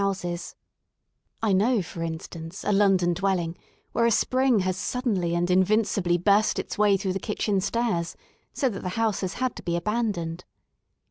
167 THE SOUL OF LONDON {I know, for instancej a London dwelling where a spring has suddenly and invincibly burst its way through the kitchen stairs so that the house has had to be abandoned.)